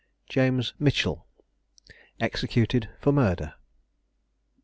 JAMES MITCHELL. EXECUTED FOR MURDER.